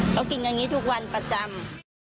เขากินอย่างนี้ทุกวันประจำ